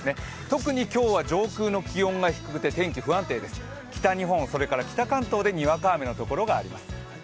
特に今日は上空の気温が低くて天気、不安定です北日本、北関東でにわか雨の所があります。